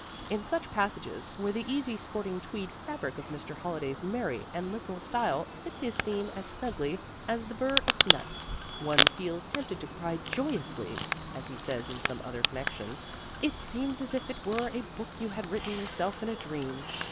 In such passages, where the easy sporting tweed fabric of Mr. Holliday's merry and liberal style fits his theme as snugly as the burr its nut, one feels tempted to cry joyously (as he says in some other connection), "it seems as if it were a book you had written yourself in a dream."